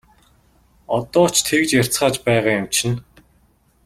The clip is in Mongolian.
Одоо ч тэгж ярьцгааж байгаа юм чинь!